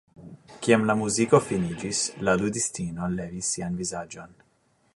Kiam la muziko finiĝis, la ludistino levis sian vizaĝon.